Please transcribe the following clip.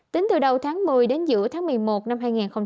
tính từ đầu tháng một mươi đến giữa tháng một mươi một năm hai nghìn hai mươi